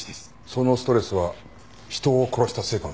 そのストレスは人を殺したせいかもしれない。